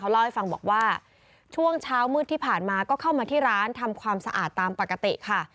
เล่าให้ฟังบอกว่าช่วงเช้ามืดที่ผ่านมาก็เข้ามาที่ร้านทำความสะอาดตามปกติค่ะ